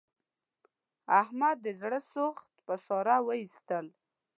احمد د زړه سوخت په ساره و ایستلا.